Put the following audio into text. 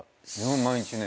毎日ね。